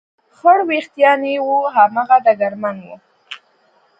خړ وېښتان یې و، هماغه ډګرمن و.